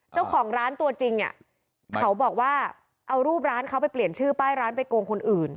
เจ้าของร้านตัวจริงเขาบอกว่าเอารูปร้านเขาไปเปลี่ยนชื่อป้ายร้านไปโกงคนอื่น